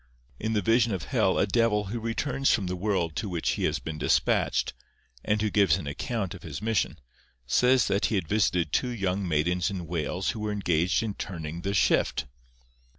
In the Vision of Hell, a devil, who returns from the world to which he has been despatched, and who gives an account of his mission, says that he had visited two young maidens in Wales who were engaged in turning the shift.